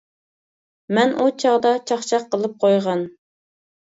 -مەن ئۇ چاغدا چاقچاق قىلىپ قويغان.